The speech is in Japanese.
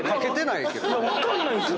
分かんないんすよ。